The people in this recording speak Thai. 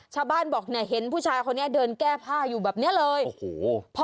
ชาวบ้านบอกเนี่ยเห็นผู้ชายคนนี้เดินแก้ผ้าอยู่แบบเนี้ยเลยโอ้โห